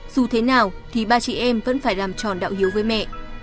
dù thế nào thì ba chị em vẫn phải làm tròn đạo hiếu với mẹ